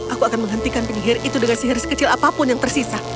aku akan menghentikan penyihir itu dengan sihir sekecil apapun yang tersisa